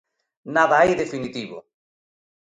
Nada hai definitivo.